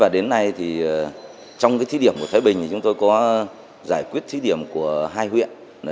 đến nay thì trong thí điểm của thái bình chúng tôi có giải quyết thí điểm của hai huyện